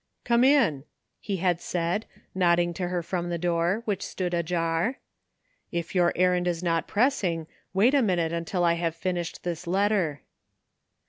''Come in," he had said, nodding to her from the door, which stood ajar. ''If your errand is not pressing, wait a minute until I have finished this letter."